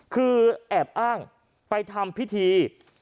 คือแอบอ้างไปทำพิธี